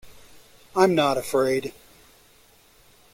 I'm not afraid.